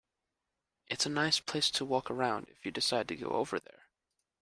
It's a nice place to walk around if you decide to go over there.